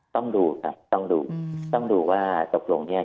ต้องดูค่ะต้องดูต้องดูว่าตกลงเนี่ย